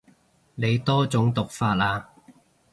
你多種讀法啊